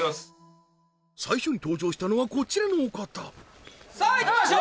最初に登場したのはこちらのお方さあいきましょう